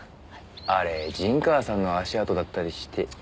あれ陣川さんの足跡だったりして。